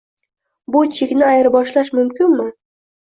Bu chekni ayirboshlash mumkinmi?